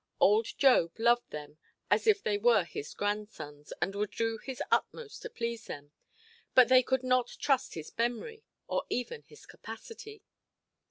Old Job loved them as if they were his grandsons, and would do his utmost to please them, but they could not trust his memory, or even his capacity.